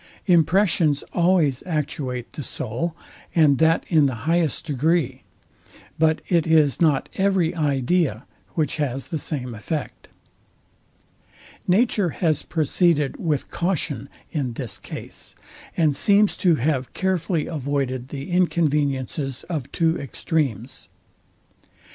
Impressions always actuate the soul, and that in the highest degree; but it is not every idea which has the same effect. Nature has proceeded with caution in this came, and seems to have carefully avoided the inconveniences of two extremes.